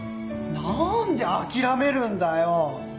何で諦めるんだよ。